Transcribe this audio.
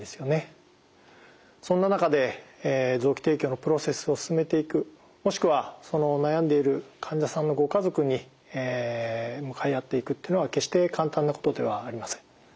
そんな中で臓器提供のプロセスを進めていくもしくは悩んでいる患者さんのご家族に向かい合っていくっていうのは決して簡単なことではありません。